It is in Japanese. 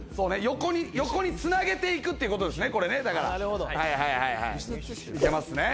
横につなげていくってことですね。